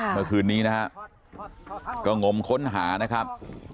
เมื่อคืนนี้นะฮะก็งมค้นหานะครับ